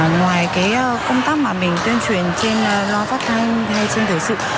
ngoài cái công tác mà mình tuyên truyền trên lo phát thanh hay trên thời sự